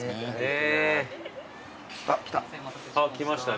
あっ来た。